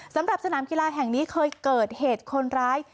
สำหรับสนามกีฬาแห่งนี้เคยเกิดเหตุคนร้าย